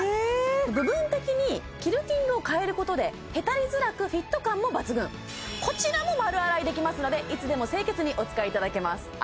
部分的にキルティングを変えることでへたりづらくフィット感も抜群こちらも丸洗いできますのでいつでも清潔にお使いいただけます